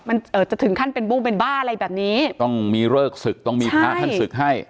มันอาจจะถึงขั้นเป็นบุ้งเป็นบ้าอะไรแบบนี้ต้องมีเลิกศึกต้องมีพระท่านศึกให้